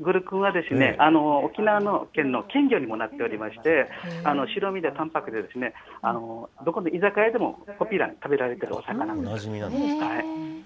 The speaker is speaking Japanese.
グルクンは、沖縄県の県魚にもなってまして、白身で淡白で、どこの居酒屋でもポピュラーに食べられているお魚なんです。